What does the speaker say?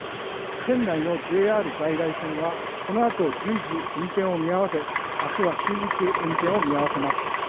県内のＪＲ在来線はこのあと、順次、運転を見合わせ、明日は終日運転を見合わせます。